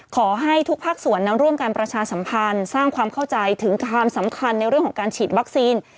ขอให้ทุกภาคส่วนนั้นร่วมการประชาสัมพันธ์สร้างความเข้าใจถึงความสำคัญในเรื่องของการฉีดวัคซีน